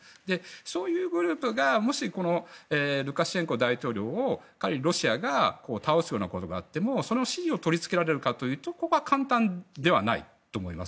そういうグループがもしルカシェンコ大統領を仮にロシアが倒すようなことがあってもその支持を取り付けられるかというとここは簡単ではないと思います。